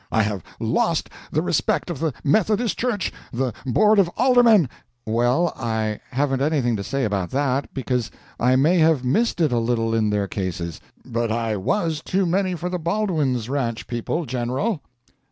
I have lost the respect of the Methodist Church, the board of aldermen " "Well, I haven't anything to say about that, because I may have missed it a little in their cases, but I WAS too many for the Baldwin's Ranch people, General!"